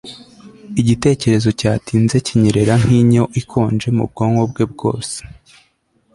Igitekerezo cyatinze kinyerera nkinyo ikonje mu bwonko bwe bwose